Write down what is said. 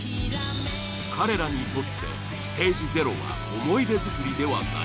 彼らにとってＳＴＡＧＥ：０は思い出作りではない。